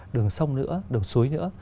đường sông nữa đường suối nữa